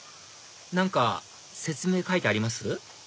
何か説明書いてあります？